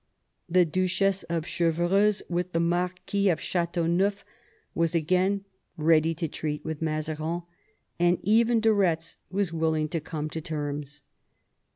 The Duchess of Chevreuse, with the Marquis of Ch^teauneuf, was again ready to treat with Mazarin, and even de Retz was willing to come to terms.